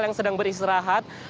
yang sedang beristirahat